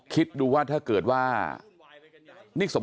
คิดดูว่าถ้าเกิดว่านี่สม